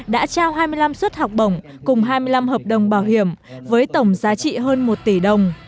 đã trao hai mươi năm suất học bổng cùng hai mươi năm hợp đồng bảo hiểm với tổng giá trị hơn một tỷ đồng